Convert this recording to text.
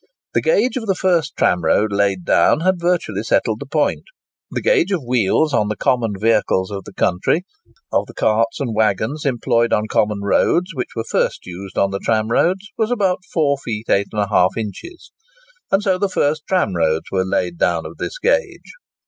The gauge of the first tramroad laid down had virtually settled the point. The gauge of wheels of the common vehicles of the country—of the carts and waggons employed on common roads, which were first used on the tramroads—was about 4 feet 8½ inches. And so the first tramroads were laid down of this gauge.